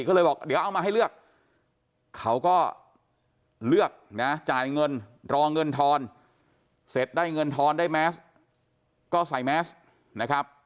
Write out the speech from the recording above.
ก็เลยบอกเดี๋ยวเอามาให้เลือกเขาก็เลือกนะจ่ายเงินรอเงินทอนเสร็จได้เงินทอนได้แมสก็ใส่แมสนะครับ